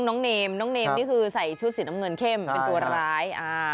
น้องเนมน้องเนมนี่คือใส่ชุดสีน้ำเงินเข้มเป็นตัวร้าย